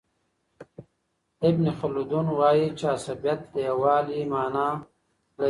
ابن خلدون وايي چي عصبیت د یووالي معنی لري.